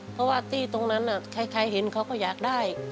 เพราะว่าที่ตรงนั้นใครเห็นเขาก็อยากได้